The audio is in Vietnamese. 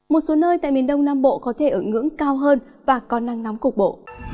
một số nơi tại miền đông nam bộ có thể ở ngưỡng cao hơn và có nắng nóng cục bộ